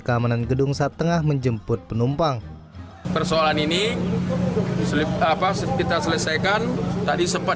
keamanan gedung saat tengah menjemput penumpang persoalan ini apa kita selesaikan tadi sempat